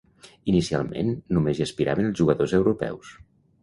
Inicialment només hi aspiraven els jugadors europeus.